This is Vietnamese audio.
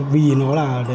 vì nó là